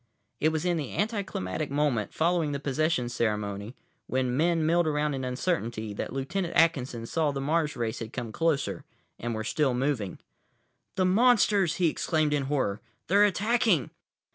It was in the anticlimactic moment, following the possession ceremony, when men milled around in uncertainty, that Lt. Atkinson saw the Mars race had come closer and were still moving. "The monsters!" he exclaimed in horror. "They're attacking!"